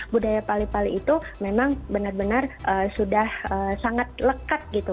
budaya pali pali itu memang benar benar sudah sangat lekat gitu